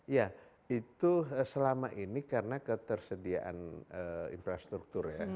ya itu selama ini karena ketersediaan infrastruktur ya